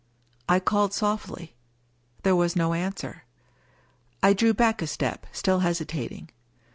I called softly. There was no answer. I drew back a step, still hesitating.